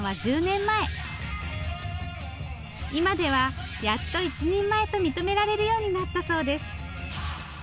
今ではやっと一人前と認められるようになったそうです。